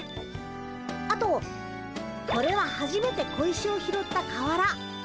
あとこれははじめて小石を拾った川原。